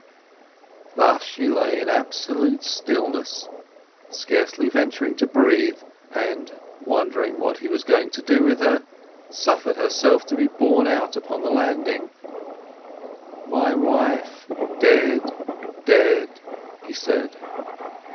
Thus she lay in absolute stillness, scarcely venturing to breathe, and, wondering what he was going to do with her, suffered herself to be borne out upon the landing. "My wife—dead, dead!" he said.